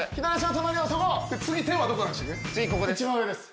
一番上です。